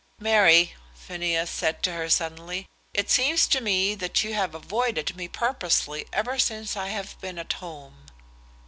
"Mary," Phineas said to her suddenly, "it seems to me that you have avoided me purposely ever since I have been at home."